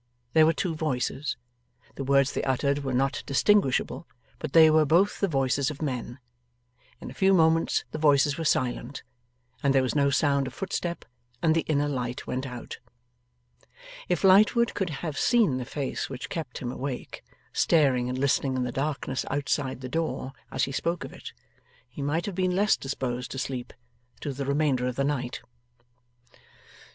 There were two voices. The words they uttered were not distinguishable, but they were both the voices of men. In a few moments the voices were silent, and there was no sound of footstep, and the inner light went out. If Lightwood could have seen the face which kept him awake, staring and listening in the darkness outside the door as he spoke of it, he might have been less disposed to sleep, through the remainder of the night.